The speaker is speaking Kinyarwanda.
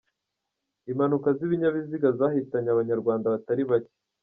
Impanuka z’ibinyabiziga zahitanye Abanyarwanda batari bake